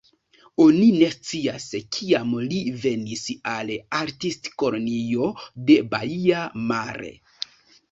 Oni ne scias, kiam li venis al Artistkolonio de Baia Mare.